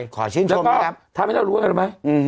แล้วก็ทำให้เรารู้ไม่เยอะไป